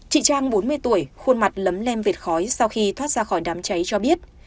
chị trang bốn mươi tuổi khuôn mặt lấm lem vệt khói sau khi thoát ra khỏi đám cháy cho biết